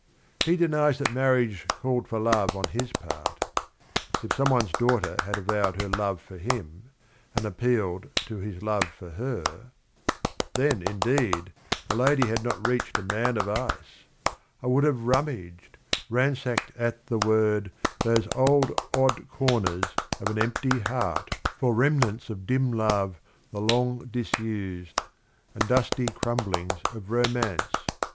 He denies that marriage called for love on his part. If some one's daughter had avowed her love for him, and appealed to his love for her "Then indeed The lady had not reached a man of ice I I would haye rummaged, ransacked at the word Those old odd corners of an empty heart For remnants of dim love the long disused, And dusty crumblings of romance